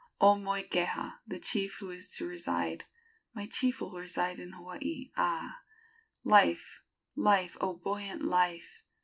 O Moikeha, the chief who is to reside, My chief will reside on Hawaii a! Life, life, O buoyant life!